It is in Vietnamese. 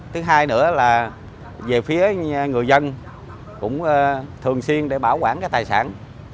thứ hai nữa là về phía người dân cũng thường xuyên để bảo quản tài sản